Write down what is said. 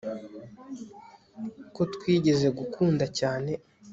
ko twigeze gukunda cyane